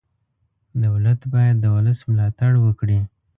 دولت باید د ولس ملاتړ وکړي.